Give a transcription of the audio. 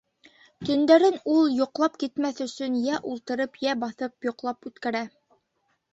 Төндәрен ул, йоҡлап китмәҫ өсөн, йә ултырып, йә баҫып йоҡлап үткәрә.